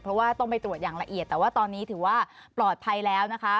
เพราะว่าต้องไปตรวจอย่างละเอียดแต่ว่าตอนนี้ถือว่าปลอดภัยแล้วนะคะ